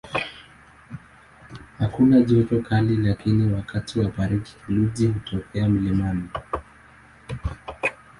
Hakuna joto kali lakini wakati wa baridi theluji hutokea mlimani.